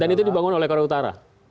dan itu dibangun oleh korea utara